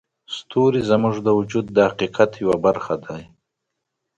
ستوري زموږ د وجود د حقیقت یوه برخه دي.